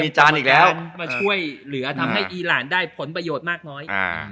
มาช่วยเหลือทำให้อีเรานได้ผลประโยชน์มากน้อย